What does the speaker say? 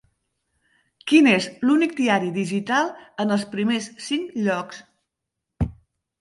Quin és l'únic diari digital en els primers cinc llocs?